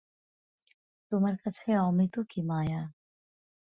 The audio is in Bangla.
তোমার কাছে অমিতও কি মায়া।